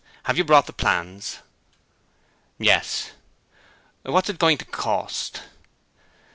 Have you brought the plans?' 'Yes.' 'What's it going to cost?'